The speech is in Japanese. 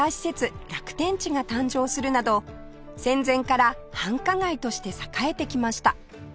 楽天地が誕生するなど戦前から繁華街として栄えてきました